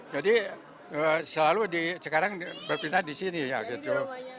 jadi selalu sekarang berpindah di sini ya gitu